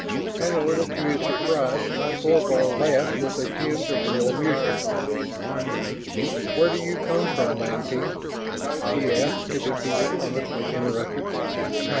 And a little to his surprise Thorvald laughed with a tinge of real amusement. "Where do you come from, Lantee?" He asked as if he were honestly interested. "Tyr."